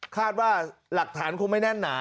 คาดว่าหลักฐานคงไม่แน่นหนา